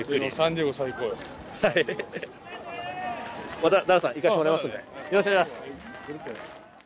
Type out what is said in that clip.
またダルさん行かせてもらいますんでよろしくお願いします！